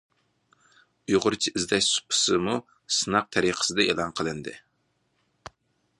ئۇيغۇرچە ئىزدەش سۇپىسىمۇ سىناق تەرىقىسىدە ئېلان قىلىندى.